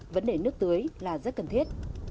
vấn đề nước tưới là rất cần thiết